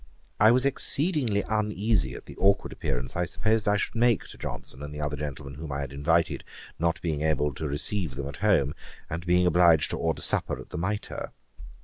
I was exceedingly uneasy at the aukward appearance I supposed I should make to Johnson and the other gentlemen whom I had invited, not being able to receive them at home, and being obliged to order supper at the Mitre.